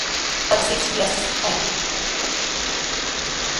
“Five or six?” he asked faintly.